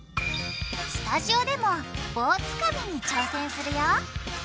スタジオでも棒つかみに挑戦するよ。